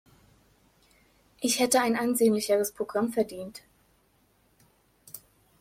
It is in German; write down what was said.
Ich hätte ein ansehnlicheres Programm verdient!